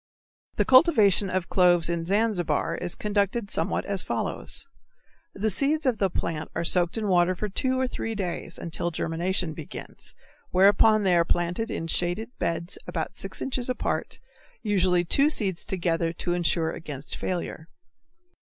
The cultivation of cloves in Zanzibar is conducted somewhat as follows: The seeds of the plant are soaked in water for two or three days or until germination begins, whereupon they are planted in shaded beds about six inches apart, usually two seeds together to insure against failure.